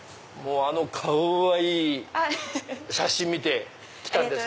かわいい写真見て来たんです。